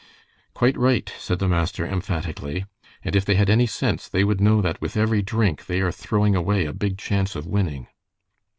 "Quite, right!" said the master, emphatically. "And if they had any sense they would know that with every drink they are throwing away a big chance of winning."